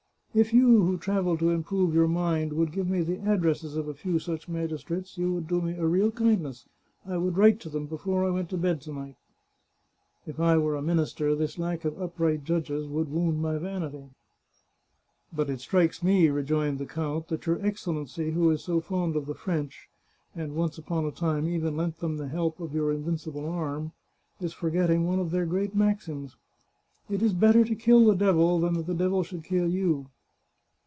" If you, who travel to improve your mind, would give me the addresses of a few such magistrates, you would do me a real kindness. I would write to them before I went to bed to night." " If I were a minister this lack of upright judges would wound my vanity." " But it strikes me," rejoined the count, " that your Ex 183 The Chartreuse of Parma cellency, who is so fond of the French, and once upon a time even lent them the help of your invincible arm, is for getting one of their great maxims, ' It is better to kill the devil than that the devil should kill you